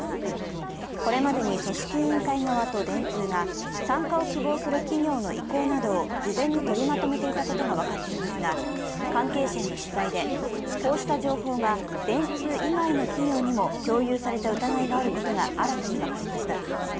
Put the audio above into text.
これまでに組織委員会側と電通が参加を希望する企業の意向などを事前に取りまとめていたことが分かっていますが関係者への取材で、こうした情報が電通以外の企業にも共有された疑いがあることが新たに分かりました。